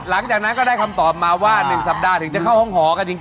เราก็ได้คำตอบมาว่า๑สัปดาห์ถึงจะเข้าห้องหอกันจริง